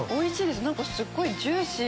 すっごいジューシー。